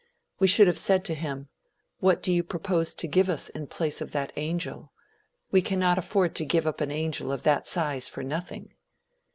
We should have said to him, "What do you propose to give us in place of that angel? We cannot afford to give up an angel of that size for nothing."